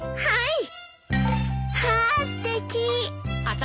はい！